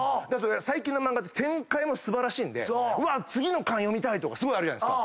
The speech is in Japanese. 最近の漫画って展開も素晴らしいんでうわっ次の巻読みたいとかすごいあるじゃないですか。